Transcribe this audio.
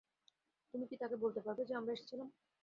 তুমি কি তাকে বলতে পারবে যে আমরা এসেছিলাম?